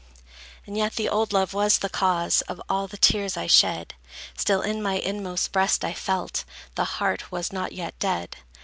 And yet the old love was the cause Of all the tears I shed; Still in my inmost breast I felt The heart was not yet dead.